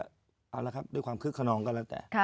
เอาละครับด้วยความคึกขนองก็แล้วแต่